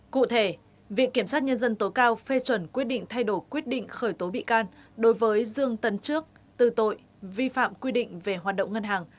cụ thể viện kiểm sát nhân dân tối cao phê chuẩn quyết định thay đổi quyết định khởi tố bị can đối với dương tấn trước tư tội vi phạm quy định về hoạt động ngân hàng